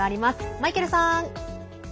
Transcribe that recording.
マイケルさん！